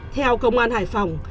theo công an hải phòng